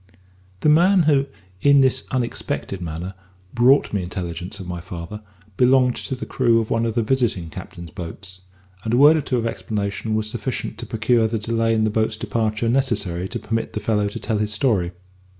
The man who, in this unexpected manner, brought me intelligence of my father, belonged to the crew of one of the visiting captains' boats, and a word or two of explanation was sufficient to procure the delay in the boat's departure necessary to permit the fellow to tell his story.